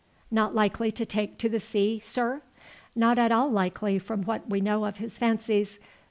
"Not likely to take to the sea, sir?" "Not at all likely from what we know of his fancies.